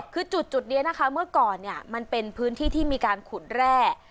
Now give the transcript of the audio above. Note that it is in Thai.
คือจุดนี้นะคะเมื่อก่อนเนี่ยมันเป็นพื้นที่ที่มีการขุดแร่